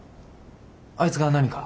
あいつが何か？